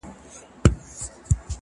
سرې غوښې لږ خوراک خطر کموي.